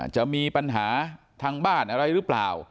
จะมีปัญหาทางบ้านอะไรหรือเปล่า